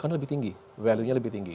karena lebih tinggi value nya lebih tinggi